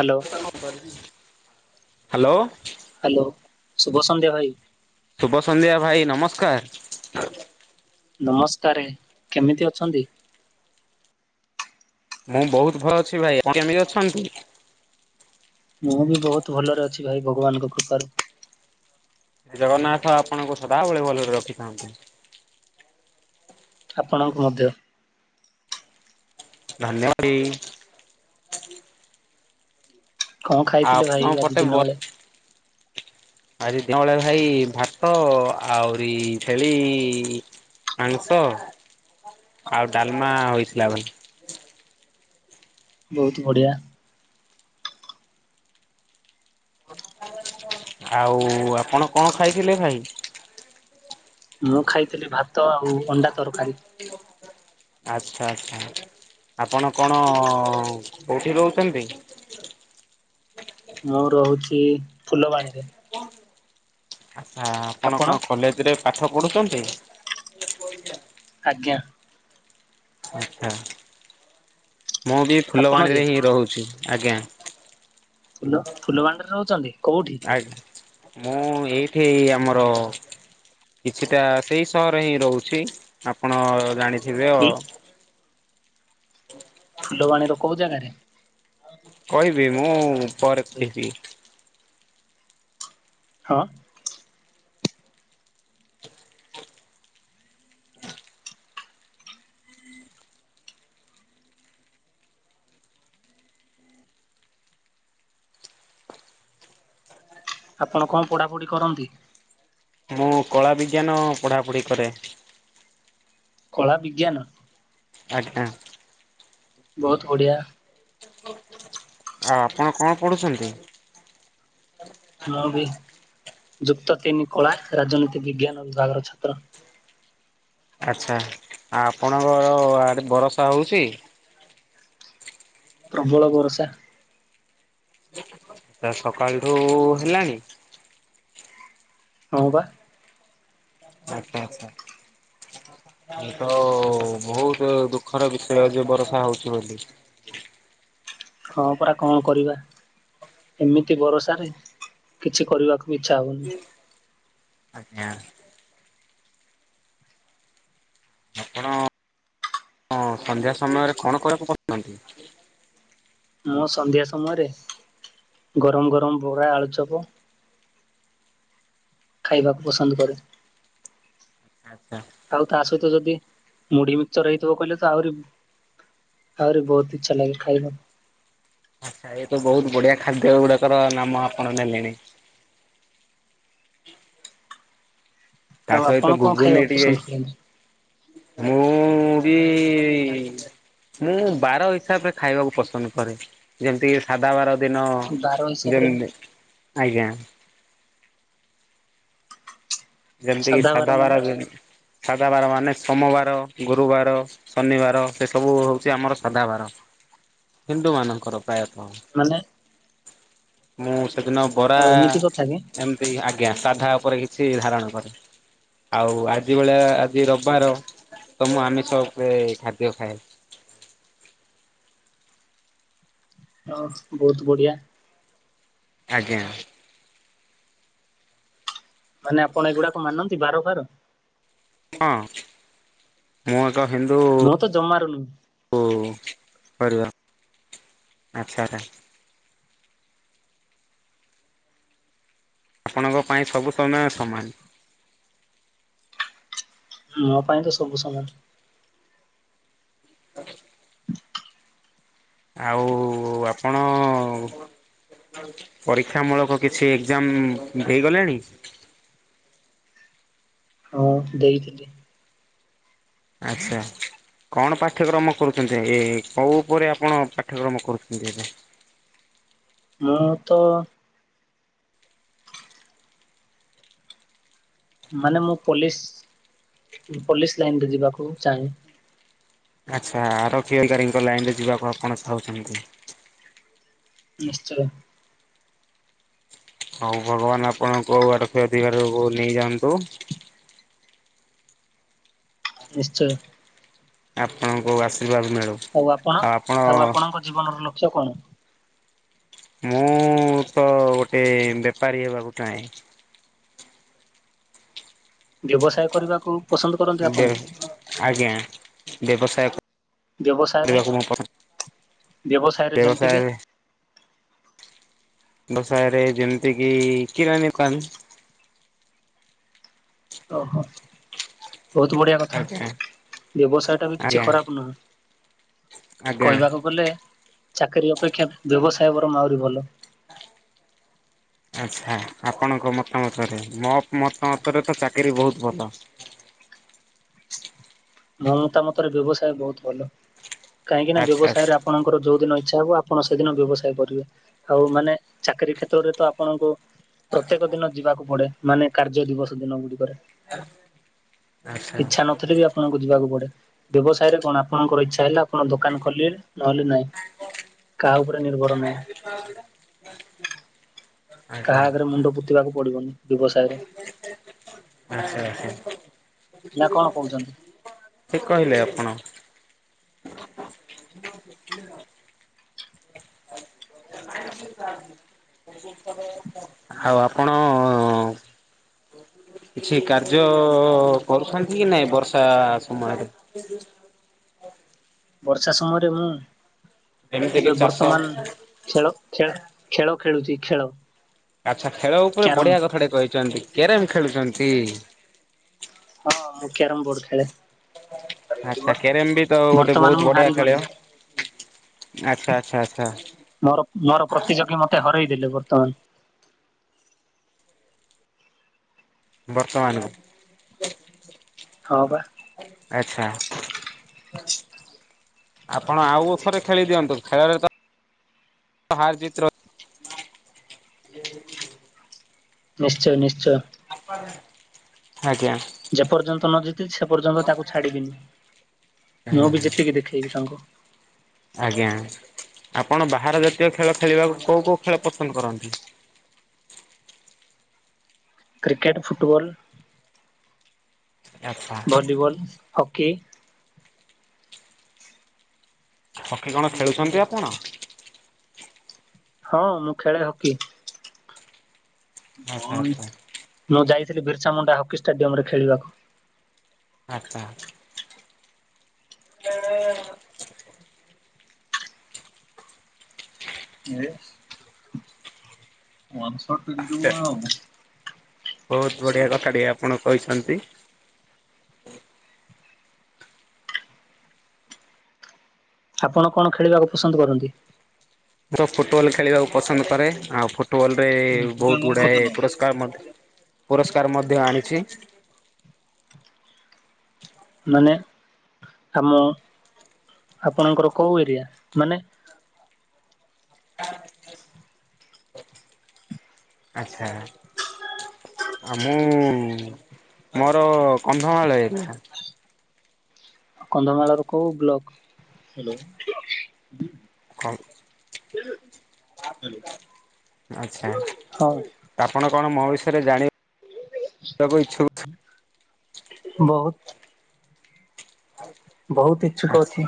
Hello. Hello. Hello ଶୁଭ ସନ୍ଧ୍ୟା ଭାଇ। ଶୁଭ ସନ୍ଧ୍ୟା ଭାଇ ନମସ୍କାର। ନମସ୍କାରେ। କେମିତି ଅଛନ୍ତି? ମୁଁ ବୋହୁତ୍ ଭଲ ଅଛି ଭାଇ। ଆପଣ କେମିତି ଅଛନ୍ତି? ମୁଁ ବି ବୋହୁତ୍ ଭଲରେ ଅଛି ଭାଇ। ଭଗବାନଙ୍କ କୃପାରୁ। ଶ୍ରୀ ଜଗନ୍ନାଥ ଆପଣଙ୍କୁ ସଦାବେଳେ ଭଲରେ ରଖିଥାନ୍ତୁ। ଆପଣଙ୍କୁ ମଧ୍ୟ। ଧନ୍ୟ ବାଦି। କଣ ଖାଇଥିଲେ ଭାଇ ଆପଣଙ୍କ ଆଜି ପଟେ ବ ଦିନ ବେଳେ? ଆଜି ଦିନ ବେଳେ ଭାଇ ଭାତ, ଆହୁରି ଛେଳି ମାଂସ, ଆଉ ଡାଲମା ହେଇଥିଲା ବୋଲି ବହୁତ ବଢିଆ। [unintelligible] ଆଉ ଆପଣ କଣ ଖାଇଥିଲେ ଭାଇ? ମୁଁ ଖାଇଥିଲି ଭାତ ଆଉ ଅଣ୍ଡା ତରକାରୀ। ଆଚ୍ଛା ଆଚ୍ଛା। ଆପଣ କଣ କୋଉଠି ରହୁଛନ୍ତି? ମୁଁ ରହୁଛି ଫୁଲବାଣୀରେ। ଆ ଆପଣ କଣ କଲେଜରେ ପାଠ ପଢୁଛନ୍ତି? ଆଜ୍ଞା। ଆଚ୍ଛା। ମୁଁ ବି ଆପଣ ଯେ ଫୁଲବାଣୀରେ ହିଁ ରହୁଛି। ଆଜ୍ଞା। ! ! ! ! ! ! ! ! ! ! ଆଜ୍ଞା। ମୁଁ ଏଇଠି ଆମର କିଛିଟା ସେଇ ସହର ହିଁ ରହୁଛି ଆପଣ ଜାଣିଥିବେ ଫୁ ଆଉ। ଫୁଲବାଣିର କୋଉ ଜାଗାରେ? କହିବି ମୁଁ ପରେ କହିବି। ହଁ। ଆପଣ କଣ ପୋଢ଼ାପଢ଼ି କରନ୍ତି? ମୁଁ କଳା ବିଜ୍ଞାନ ପଢା ପଢି କରେ। କଳା ବିଜ୍ଞାନ? ଆଜ୍ଞା। ବହୁତ ବଢ଼ିଆ। ଆଉ ଆପଣ କଣ ପଢ଼ୁଛନ୍ତି? ମୁଁ ବି ଯୁକ୍ତ ତିନି କଳା, ରାଜନୀତି ବିଜ୍ଞାନ ବିଭାଗର ଛାତ୍ର। ଆଚ୍ଛା। ଆପଣଙ୍କର ଆଡ଼େ ବରଷା ହେଉଛି? ପ୍ରବଳ ବରସା। ତ ସକାଳଠୁ ହେଲାଣି ହଁ ବା। ଆଚ୍ଛା ଆଚ୍ଛା। ଏ ତ ବହୁତ ଦୁଃଖର ବିଷୟ ଯେ ବର୍ଷା ହଉଛି ବୋଲି। ହଁ ପରା କଣ କରିବା? ଏମିତି ବରସାରେ କିଛି କରିବାକୁ ବି ଇଚ୍ଛା ହୋଉନି। ଆଜ୍ଞା। ଆପଣ ହଁ ସନ୍ଧ୍ୟା ସମୟରେ କଣ କଳାପ କହୁଛନ୍ତି? ମୁଁ ସନ୍ଧ୍ୟା ସମୟରେ, ଗରମ ଗରମ ବରା ଆଳୁଚପ ଖାଇବାକୁ ପସନ୍ଦ କରେ। ଆଚ୍ଛା। ଆଉ ତା ସହିତ ଯଦି ମୁଢି ମିକିଚର୍ ହେଇଥିବ କହିଲେ ତ ଆହୁରି ଆହୁରି ବହୁତ ଇଛା ଲାଗେ ଖାଇବାକୁ। ଆଉ ଏତେ ବହୁତ ବଢିଆ ଖାଦ୍ୟ ଗୁଡାକର ନାମ ଆପଣ ନେଲେଣି। ତା ଆଉ ଆପଣ ସହିତ କଣ ଘୁଘୁନି ଖାଇବାକୁ ପସନ୍ଦ କରନ୍ତି ଟିକେ ମୁଁ ବି ମୁଁ ବାର ହିସାବରେ ଖାଇବାକୁ ପସନ୍ଦ କରେ ଯେମିତି କି ସାଧା ବାର ଦିନ ବାର ହିସାବରେ ଯେମିତି ଆଜ୍ଞା। ଯେମିତିକି ସାଧା ବାର ସାଧା ବାର ମାନେ ସୋମବାର ଗୁରୁବାର ଶନିବାର ସେସବୁ ହଉଛି ଆମର ସାଧାବାର ହିନ୍ଦୁମାନଙ୍କର ପ୍ରାୟତଃ। ମାନେ ମୁଁ ସେଦିନ ବରା ଆଉ ଏମିତି କଥା କି ଏମ ସେଇ ଆଜ୍ଞା ସାଧା ଉପରେ କିଛି ଧାରଣା ଆଉ ଆଜି ଭଳିଆ ଆଜି ରବିବାର ତ ମୁଁ ଆମିସ ଉପରେ ଖାଦ୍ୟ ଖାଏନି। ହଁ ବହୁତ ବଢିଆ। ଆଜ୍ଞା। ମାନେ ଆପଣ ଏଇଗୁଡାକ ମାନନ୍ତି ବାର ଫାର? ହଁ ମୁଁ ଏକ ହିନ୍ଦୁ ମୁଁ ତ ଜମାରୁ ନୁହେଁ। ଓ କରିବା ଆଚ୍ଛା ଆ ଆପଣଙ୍କ ପାଇଁ ସବୁ ସମୟ ସମାନ। ମୋ ପାଇଁ ତ ସବୁ ସମାନ। ହଁ। ଆଉ ଆପଣ ପରୀକ୍ଷା ମୂଳକ କିଛି ଏକ୍ଜାମ ହେଇଗଲେଣି? ହୁଁ ଦେଇଥିଲି। ଆଚ୍ଛା। କଣ ପାଠ୍ୟକ୍ରମ କରୁଛନ୍ତି ଏ ଏ କେଉଁ ଉପରେ ଆପଣ ପାଠ୍ୟକ୍ରମ କରୁଛନ୍ତି ଏବେ? ମୁଁ ତ ମାନେ ମୁଁ ପୋଲିସ ପୋଲିସ ଲାଇନରେ ଯିବାକୁ ଚାହେଁ। ଆଛା ଆରକ୍ଷୀ ଅଧିକାରୀଙ୍କ ଲାଇନରେ ଯିବାକୁ ଆପଣ ଚାହୁଁଛନ୍ତି। ନିଶ୍ଚୟ। ହଉ ଭଗବାନ ଆପଣଙ୍କ ଆରକ୍ଷ ଅଧିକାରକୁ ନେଇଯାଆନ୍ତୁ। ନିଶ୍ଚୟ। ଆପଣଙ୍କୁ ଆଶୀର୍ବାଦ ମିଳୁ। ଆଉ ଆପଣ ଆଉ ଆପଣଙ୍କ ଜୀବନର ଲକ୍ଷ୍ୟ କଣ? ମୁଁ ତ ଗୋଟେ ବେପାରୀ ହେବାକୁ ଚାହେଁ। ବ୍ୟବସାୟ କରିବାକୁ? ପସନ୍ଦ କରନ୍ତି ଆପଣ? ବେ ଆଜ୍ଞା ବ୍ୟବସାୟ ବ୍ୟବସାୟରେ କରିବାକୁ ମୁଁ ପସନ୍ଦ ବ୍ୟବସାୟରେ ବ୍ୟବସାୟ ଯେମିତିକି ବେବସାୟ ରେ ଯେମିତିକ କିରାଣି କାନ ଓହୋ। ବହୁତ ବଢିଆ କଥା ଆଜ୍ଞା ବ୍ୟବସାୟ ଟା ବି କିଛି ଆଜ୍ଞା ଖରାପ ନୁହେଁ। ଆଜ୍ଞା କହିବାକୁ ଗଲେ ଚାକିରିୀ ଅପେକ୍ଷା ବ୍ୟବସାୟ ବାରଙ୍ଗ ଆହୁରି ଭଲ। ଆଚ୍ଛା ଆପଣଙ୍କ ମତାମତରେ ମୋ ମତାମତରେ ତ ଚାକିରି ବହୁତ ଭଲ। ମୋ ମତା ମତରେ ବ୍ୟବସାୟ ବହୁତ ଭଲ କାହିଁକି ନା ଆଚ୍ଛା ଆଚ୍ଛା ବ୍ୟବସାୟରେ ଆପଣଙ୍କର ଯୋଉଦିନ ଇଛା ହବ ଆପଣ ସେଦିନ ବ୍ୟବସାୟ କରିବେ। ଆଉ ମାନେ ଚାକିରୀ କ୍ଷେତ୍ରରେ ତ ଆପଣଙ୍କୁ ପ୍ରତ୍ୟେକ ଦିନ ଯିବାକୁ ପଡେ ମାନେ କାର୍ଯ୍ୟ ଦିବସ ଦିନ ଗୁଡିକରେ ଆଚ୍ଛା ଇଛା ନଥିଲେ ବି ଆପଣଙ୍କୁ ଯିବାକୁ ପଡେ ବ୍ୟବସାୟରେ କଣ ଆପଣଙ୍କର ଇଛା ହେଲେ ଆପଣ ଦୋକାନ ଖୋଲିଲେ ନହେଲେ ନାହିଁ। କାହା ଉପରେ ନିର୍ଭର ନାହିଁ। [unintelligible] [inaudible] କାହା ଆଜ୍ଞା। ଆଗରେ ମୁଣ୍ଡ ପୋତିବାକୁ ପଡିବନି ବ୍ୟବସାୟରେ। ଆଚ୍ଛା ଆଚ୍ଛା। ନାଁ କଣ କୋହୁଚନ୍ତି। ଠିକ୍ କହିଲେ ଆପଣ। [inaudible] [unintelligible] [inaudible] ଆଉ ଆପଣ କିଛି କାର୍ଯ୍ୟ କରୁଚନ୍ତି କି ନାଇଁ ବର୍ଷା ସମୟରେ? ବର୍ଷା ସମୟରେ ମୁଁ ଯେମିତି କିି ଏବେ ଚାଷ ବର୍ତ୍ତମାନ ଖେଳ ଖେଳ ଖେଳ ଖେଳୁଚି ଖେଳ। ଆଚ୍ଛା ଖେଳ ଉପରେ କ୍ୟାରମ ବଢିଆ କଥାଟେ କହିଚନ୍ତି କ୍ୟାରମ୍ ଖେଳୁଚନ୍ତି। ହଁ ମୁଁ କ୍ୟାରମ୍ ବୋର୍ଡ ଖେଳେ। ଆଚ୍ଛା କ୍ୟାରମ୍ ବି ତ ଗୋଟେ ବର୍ତ୍ତମାନ ବୋହୁତ ମୁଁ ବଢିଆ ଖେଳ। ହାରିଗଲି। ଆଚ୍ଛା ଆଚ୍ଛା ଆଚ୍ଛା। ମୋର ମୋର ପ୍ରତିଯୋଗୀ ମତେ ହରେଇ ଦେଲେ ବର୍ତ୍ତମାନ। ବର୍ତ୍ତମାନ ହଁ ପା। ଆଚ୍ଛା। ଆପଣ ଆଉଥରେ ଖେଳି ଦିଅନ୍ତୁ। ଖେଳରେ ତ ହାର ଜିତ ର ନିଶ୍ଚୟ ନିଶ୍ଚୟ। [unintelligible] ଆଜ୍ଞା। ଯେ ପର୍ଯ୍ୟନ୍ତ ନ ଜିତିଚି ସେ ପର୍ଯ୍ୟନ୍ତ ତାକୁ ଛାଡିବିନି। ମୁଁ ବି ଜିତିକି ଦେଖେଇବି ତାଙ୍କୁ। ଆଜ୍ଞା ଆପଣ ବାହାର ଜାତୀୟ ଖେଳ ଖେଳିବାକୁ କୋଉ କୋଉ ଖେଳ ପସନ୍ଦ କରନ୍ତି? କ୍ରିକେଟ୍, ଫୁଟବଲ ଆଚ୍ଛା ଭଲିବଲ, ହକି ହକି କଣ ଖେଳୁଚନ୍ତି ଆପଣ? ହଁ ମୁଁ ଖେଳେ ହକି। ଆଚ୍ଛା ଆଚ୍ଛା ମୁଁ ଯାଇଥିଲି ବିର୍ସାମୁଣ୍ଡା ହକି ଷ୍ଟାଡିୟମରେ ଖେଳିବାକୁ। ଆଚ୍ଛା। [unintelligible] [unintelligible] ବୋହୁତ ବଢିଆ କଥା ଟିକ ଆପଣ କହିଚନ୍ତି। ଆପଣ କଣ ଖେଳିବାକୁ ପସନ୍ଦ କରନ୍ତି? ମୁଁ ତ ଫୁଟବଲ ଖେଳିବାକୁ ପସନ୍ଦ କରେ ଆଉ ଫୁ ଟ ବଲ ରେ ବୋହୁତ ଗୁଡାଏ ପୁରସ୍କାର ମଧ୍ୟ ପୁରସ୍କାର ମଧ୍ୟ ଆଣିଚି। ହ [unintelligible] ମାନେ ଆମ ଆପଣଙ୍କର କୋଉ ଏରିଆ ମାନେ ଆଚ୍ଛା। ଆମ ମୋର କନ୍ଧମାଳ ଏରିଆ। କନ୍ଧମାଳର କୋଉ ବ୍ଲକ? ଖ ହାଲୋ। ଆଚ୍ଛା ଆପଣ କଣ ମୋ ବିଷୟରେ ଜାଣିବାକୁ ଇଚ୍ଛୁ ବୋହୁତ ବୋହୁତ ଇଚ୍ଛୁକ ଅଛି।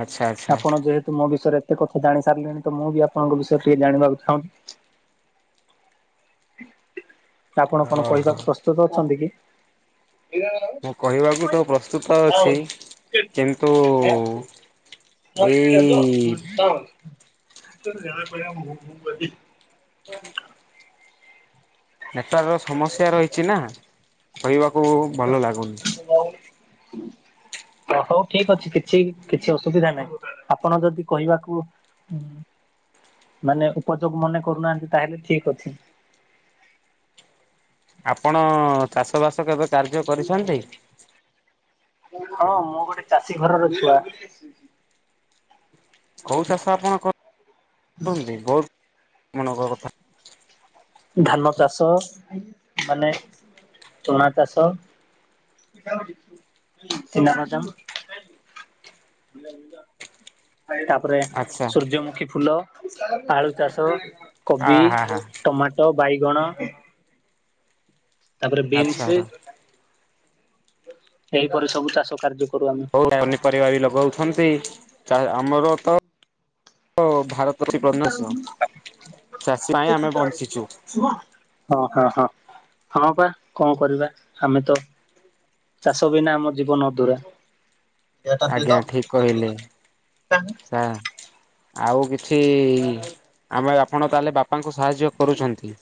ଆଚ୍ଛା ଆଚ୍ଛା ଆପଣ ଯେହେତୁ ମୋ ବିଷୟରେ ଏତେ କଥା ଜାଣି ସାରିଲେଣି ତ ମୁଁ ବି ଆପଣଙ୍କ ବିଷୟରେ ଟିକେ ଜାଣିବାକୁ ଚାହୁଁଚି। ଆପଣ କଣ ଓହୋ କହିବାକୁ ପ୍ରସ୍ତୁତ ଅଛନ୍ତି କି? ଆ ମୁଁ କହିବାକୁ ତ ପ୍ରସ୍ତୁତ ଅଛି କିନ୍ତୁ [unintelligible] [inaudible] ଆ ଏଇ [unintelligible] [inaudible] ହ [inaudible] ନେଟୱାର୍କର ସମସ୍ୟା ରହିଛି ନା। କହିବାକୁ ଭଲ ହ [inaudible] [inaudible] ହଉ ଠିକ ଅଛି। କିଛି କିଛି ଅସୁବିଧା ନାହିଁ ଆପଣ ଯଦି କହିବାକୁ ହୁଁ ମାନେ ଉପଯୋଗ ମନେ କରୁନାହାନ୍ତି, ତାହେଲେ ଠିକ ଅଛି। ଆପଣ ଚାଷବାସ କେବେ କାର୍ଯ୍ୟ କରିଛନ୍ତି ହଁ। ମୁଁ ଗୋଟେ ଚାଷୀ ଘରର ଛୁଆ କୋଉ ଚାଷ ଆପଣ କର [unintelligible] ବହୁତ ମ କଥା ଧାନ ଚାଷ ମାନେ ଝୁଣା ଚାଷ ନାକ ଯାମ [unintelligible] ତାପରେ ଆଚ୍ଛା ସୂର୍ଯ୍ୟମୁଖୀ ଫୁଲ ଆଳୁ ଚାଷ, ଆ କୋବି, ହା ହା ଟମାଟୋ, ବାଇଗଣ। ତାପରେ ଆଚ୍ଛା ବିନ୍ସ, ଏହିଇପ ସବୁ ଚାଷ କାର୍ଯ୍ୟ କରୁ ଆମେ ହଉ ପନିପରିବା ବି ଲଗାଉଛନ୍ତି ଆମର ତ ଭାରତ [unintelligible] ପ୍ରତିବର୍ଷ ଚାଷୀ ପାଇଁ ଆମେ ବଞ୍ଚିଛୁ ହଁ ହଁ ହଁ ହଁ ବା କଣ କରିବା ଆମେ ତ ଚାଷ ବିନା ଆମ ଜୀବନ ଅଧୁରା ଆଜ୍ଞା ଠିକ କହିଲେ ସ ଆଉ କିଛି ଆମେ ଆପଣ ତାହେଲେ ବାପାଙ୍କୁ ସାହାଯ୍ୟ କରୁଛନ୍ତି